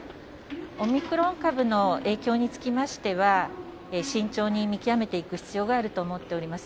オミクロン株の影響につきましては、慎重に見極めていく必要があると思っております。